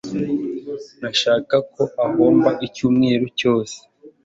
Ntashaka ko uhomba icyumweru cyose.